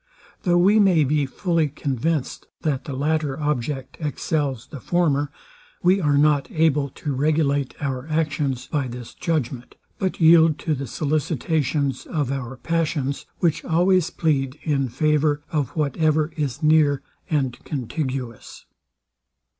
Though we may be fully convinced, that the latter object excels the former, we are not able to regulate our actions by this judgment; but yield to the sollicitations of our passions, which always plead in favour of whatever is near and contiguous.